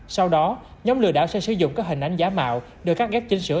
sau đó nhóm lừa đảo sẽ sử dụng các hình ảnh giá mạo đưa các ghép chính sửa